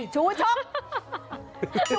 ชูช็อก